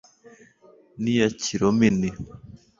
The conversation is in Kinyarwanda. N'iya Kilomini